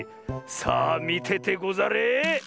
さあみててござれ！